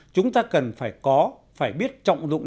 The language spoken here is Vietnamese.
chúng ta cần phải có phải biết trọng dụng